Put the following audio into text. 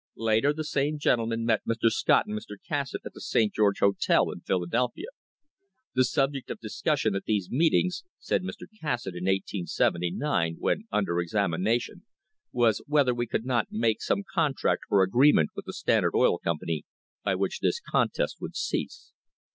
Later, the same gentlemen met Mr. Scott and Mr. Cassatt at the St. George Hotel, in Philadelphia. "The subject of dis cussion at these meetings," said Mr. Cassatt in 1879, when under examination, "was whether we could not make some contract or agreement with the Standard Oil Company by which this contest would cease.